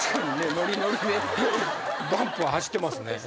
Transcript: ノリノリでバンプは走ってますね。